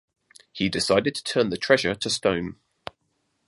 He decided to turn the treasure to stone.